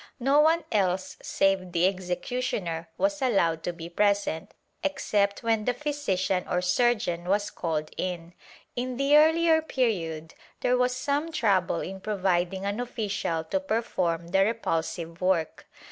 No one else save the executioner was allowed to be present, except when the physician or surgeon was called in. In the earlier period, there was some trouble in providing an official to perform the repulsive work.